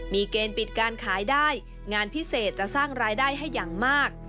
มีเกณฑ์ปิดการขายได้งานพิเศษจะสร้างรายได้ให้อย่างมาก